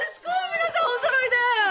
皆さんおそろいで！